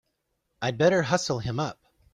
I'd better hustle him up!